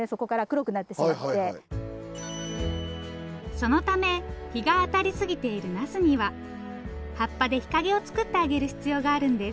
そのため日が当たり過ぎているナスには葉っぱで日陰を作ってあげる必要があるんです。